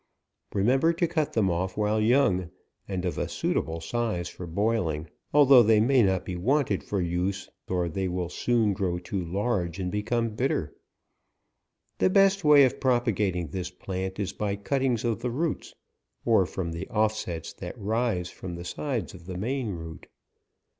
Remember to cut them off while young, and of a suitable size for boiling, although they may not be wanted for use^ or they will soon grow too large, and become bitter. The best way of propagating this plant is by cuttings of the roots, or from the offsets that rise from the sides of the main root.